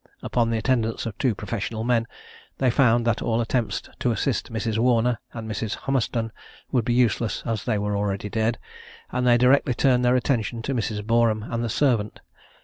Upon the attendance of two professional men, they found that all attempts to assist Mrs. Warner and Mrs. Hummerstone would be useless, as they were already dead; and they directly turned their attention to Mrs. Boreham and the servant.